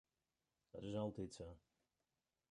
Dat is altyd sa.